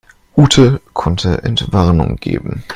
Ute konnte Entwarnung geben.